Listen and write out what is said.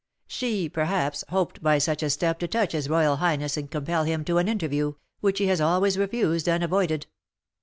"She, perhaps, hoped by such a step to touch his royal highness and compel him to an interview, which he has always refused and avoided.